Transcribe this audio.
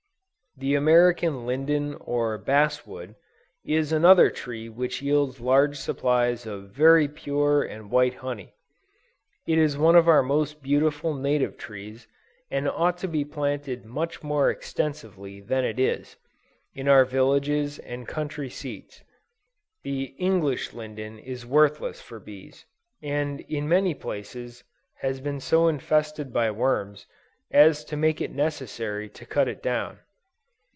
The American Linden or Bass Wood, is another tree which yields large supplies of very pure and white honey. It is one of our most beautiful native trees, and ought to be planted much more extensively than it is, in our villages and country seats. The English Linden is worthless for bees, and in many places, has been so infested by worms, as to make it necessary to cut it down.